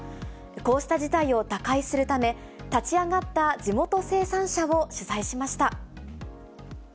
こうした事態を打開するため、立ち上がった地元生産者を取材しました。